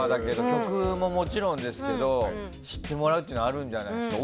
曲ももちろんだけど知ってもらえるというのはあるんじゃないですか。